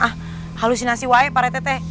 ah halusinasi wae pak rete